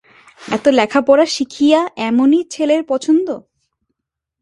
এত লেখাপড়া শিখিয়া এমনি ছেলের পছন্দ!